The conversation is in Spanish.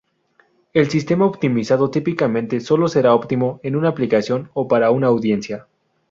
El sistema optimizado típicamente sólo será óptimo en una aplicación o para una audiencia.